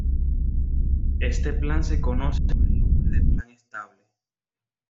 Este plan se conoce con el nombre de Plan Estable.